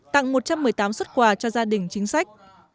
tặng một trăm một mươi tám xuất quà cho gia đình chính sách